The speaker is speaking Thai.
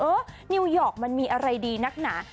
นิวยอร์กมันมีอะไรดีนักหนา